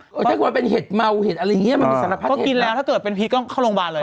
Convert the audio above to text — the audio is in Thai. อย่างเช่นกว่าเป็นเห็ดเมาเห็ดอะไรอย่างเงี้ยมันมีสรรพัสเห็ดเมาเขากินแล้วถ้าเกิดเป็นพิษก็เข้าโรงพยาบาลเลย